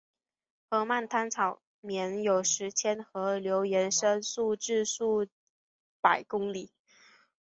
河漫滩草甸有时沿河流延伸数十至数百公里。